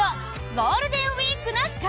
「ゴールデンウィークな会」。